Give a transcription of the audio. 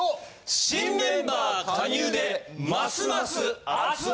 新メンバー加入でますます熱々！！